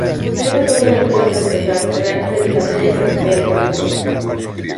Posee motor delantero transversal, tracción delantera y carrocería de cinco puertas.